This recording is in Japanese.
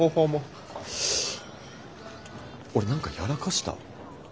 俺何かやらかした？